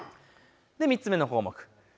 ３つ目の項目。